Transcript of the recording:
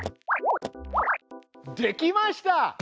できました！